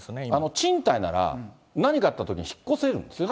賃貸なら、何かあったときに、引っ越せるんですよね。